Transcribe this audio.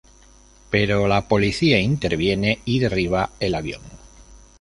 Pero la policía interviene y derriba el avión.